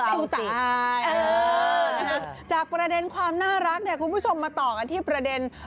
สู้ตายเออนะคะจากประเด็นความน่ารักแทนคุณผู้ชมมาต่อกันที่ประเด็น